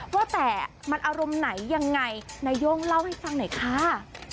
ว่าแต่มันอารมณ์ไหนยังไงนาย่งเล่าให้ฟังหน่อยค่ะ